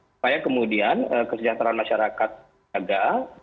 supaya kemudian kesejahteraan masyarakat jaga